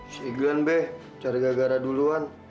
si igan be cari gagara duluan